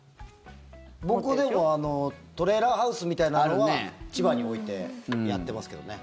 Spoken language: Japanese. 僕、でもトレーラーハウスみたいなのは千葉に置いてやってますけどね。